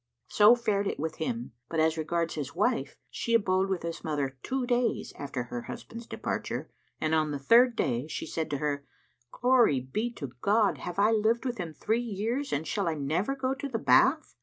So fared it with him; but as regards his wife, she abode with his mother two days after her husband's departure, and on the third day, she said to her, "Glory be to God! Have I lived with him three years and shall I never go to the bath?"